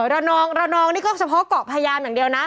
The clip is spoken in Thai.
ระนองระนองนี่ก็เฉพาะเกาะพยามอย่างเดียวนะ